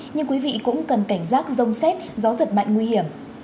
nhưng quý vị cũng cần cảnh giác rông xét gió giật mạnh nguy hiểm